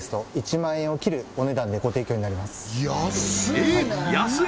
えっ安江！